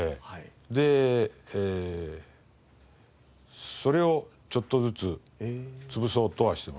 でそれをちょっとずつ潰そうとはしてますけど。